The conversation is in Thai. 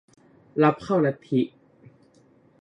รับเข้าลัทธิ